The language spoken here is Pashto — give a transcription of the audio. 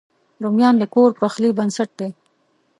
رومیان د کور پخلي بنسټ دی